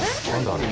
あれ。